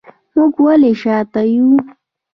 موږ ولې شاته یو؟